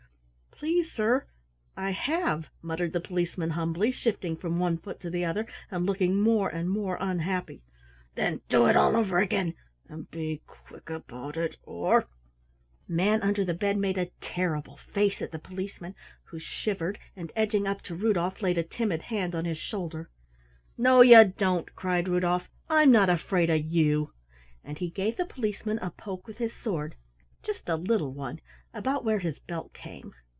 "Please, sorr, Oi have," muttered the Policeman humbly, shifting from one foot to the other and looking more and more unhappy. "Then do it all over again, and be quick about it or " Manunderthebed made a terrible face at the Policeman, who shivered, and edging up to Rudolf, laid a timid hand on his shoulder. "No you don't!" cried Rudolf. "I'm not afraid of you!" And he gave the Policeman a poke with his sword, just a little one, about where his belt came.